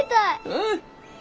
うん。